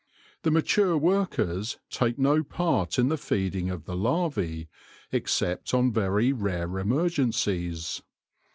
The mature workers take no part in the feeding of the larvae, except on very rare emergencies.